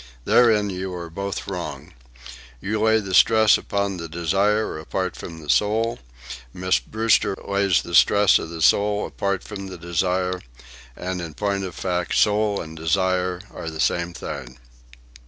Therein you are both wrong. You lay the stress upon the desire apart from the soul, Miss Brewster lays the stress on the soul apart from the desire, and in point of fact soul and desire are the same thing.